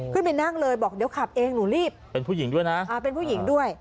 ขึ้นไปนั่งเลยบอกเดี๋ยวขับเองหนูรีบเป็นผู้หญิงด้วยนะอ่าเป็นผู้หญิงด้วย